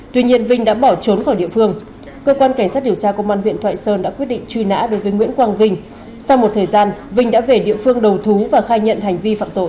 tuy nhiên vinh đã bỏ trốn khỏi địa phương cơ quan cảnh sát điều tra công an huyện thoại sơn đã quyết định truy nã đối với nguyễn quang vinh sau một thời gian vinh đã về địa phương đầu thú và khai nhận hành vi phạm tội